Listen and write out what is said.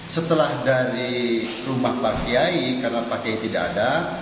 setelah dari rumah pak kiai karena pak kiai tidak ada